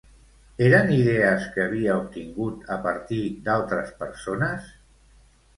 Eren idees que havia obtingut a partir d'altres persones?